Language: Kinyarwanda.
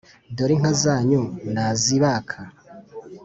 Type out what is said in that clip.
Dore inka zanyu nazibaka,